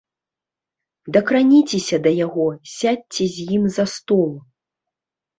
Дакраніцеся да яго, сядзьце з ім за стол.